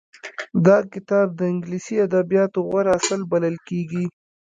دا کتاب د انګليسي ادبياتو غوره اثر بلل کېږي.